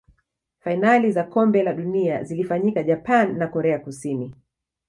fainali za kombe la dunia za zilifanyika japan na korea kusini